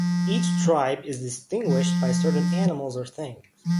Each tribe is distinguished by certain animals or things.